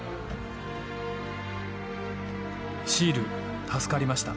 「シール助かりました。